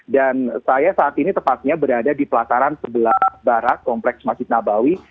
dan saya saat ini tepatnya berada di pelataran sebelah barat kompleks masjid nabawi